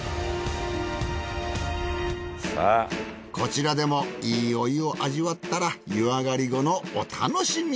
こちらでもいいお湯を味わったら湯上がり後のお楽しみ。